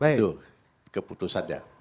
itu keputusan dia